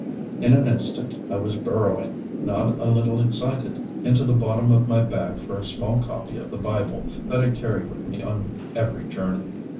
In an instant I was burrowing, not a little excited, into the bottom of my bag for a small copy of the Bible that I carried with me on every journey.